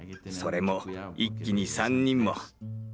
それも一気に３人も。